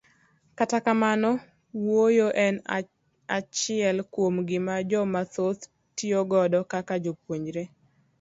Kata kamano, wuoyo en achile kuom gima joma dhoth tiyo godo kaka jopuonjre.